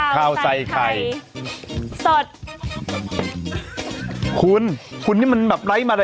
พูดข้าวพูดข้าวพูดสวัสดีครับ